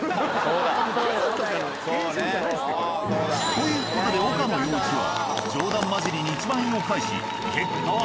という事で岡野陽一は冗談交じりに１万円を返し結果は。